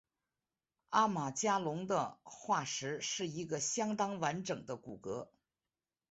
阿马加龙的化石是一个相当完整的骨骼。